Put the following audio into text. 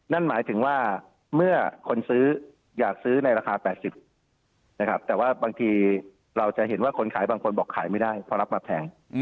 นั่นหมายถึงว่าเมื่อคนซื้ออยากซื้อในราคา๘๐นะครับแต่ว่าบางทีเราจะเห็นว่าคนขายบางคนบอกขายไม่ได้เพราะรับมาแพง